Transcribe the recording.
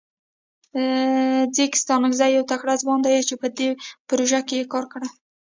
ځیګ ستانکزی یو تکړه ځوان ده چه په دې پروژه کې یې کار کړی.